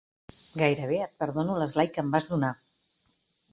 Gairebé et perdono l'esglai que em vas donar!